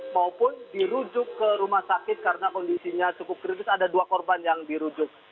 maupun dirujuk ke rumah sakit karena kondisinya cukup kritis ada dua korban yang dirujuk